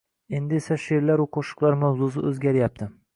Endi esa she`rlaru qo`shiqlar mavzusi o`zgaryapti